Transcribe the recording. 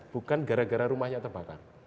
bukan gara gara rumahnya terbakar